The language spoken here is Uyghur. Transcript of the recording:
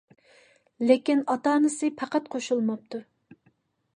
لېكىن ئاتا-ئانىسى پەقەت قوشۇلماپتۇ.